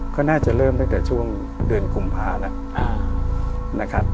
ก็น่าจะเริ่มตั้งแต่ช่วงเดือนกุมภานะ